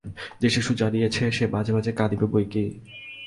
যে শিশু জনিয়াছে সে মাঝে মাঝে কাঁদিবে বৈ কি!